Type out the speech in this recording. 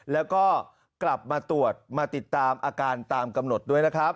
แล้วก็กลับมาตรวจมาติดตามอาการตามกำหนดด้วยนะครับ